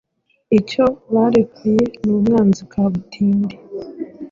Icyo barekuye ni umwanzi kabutindi